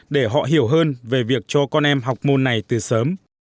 để họ hiểu hơn về việc cho con em học môn này từ sớm